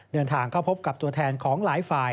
เดินทางเข้าพบกับตัวแทนของหลายฝ่าย